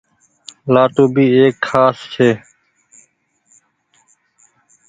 لآٽون ڀي ايڪ کآس ڇي۔